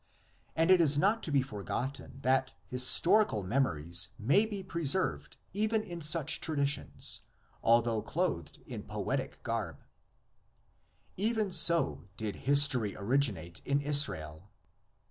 And it is not to be forgotten that historical memories may be pre served even in such traditions, although clothed in poetic garb. Even so did history originate in Israel.